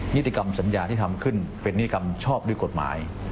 นิติกรรมสัญญาที่ทำขึ้นเป็นนิกรรมชอบด้วยกฎหมาย